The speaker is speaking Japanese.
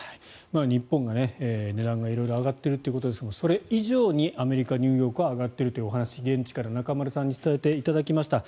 日本が値段が色々上がっているということですがそれ以上にアメリカ・ニューヨークは上がっているというお話を現地から中丸さんに伝えていただきました。